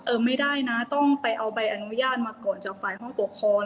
ไม่ได้นะต้องไปเอาใบอนุญาตมาก่อนจากฝ่ายห้องปกครอง